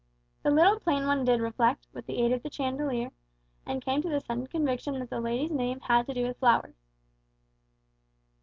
The little plain one did reflect with the aid of the chandelier and came to the sudden conviction that the lady's name had to do with flowers.